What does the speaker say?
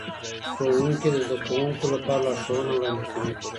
ښوونکي د زدهکوونکو لپاره لارښوونه وړاندی کوي.